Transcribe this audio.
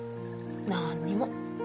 何にも。